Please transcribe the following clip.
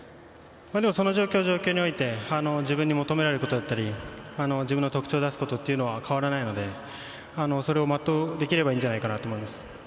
その状況状況において、自分に求められることだったり、自分の特長を出すことは変わらないので、それをまっとうできればいいんじゃないかと思います。